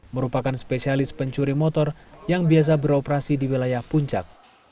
merupakan spesialis pencuri motor yang biasa beroperasi di wilayah puncak